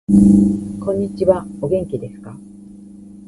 こんにちは。お元気ですか。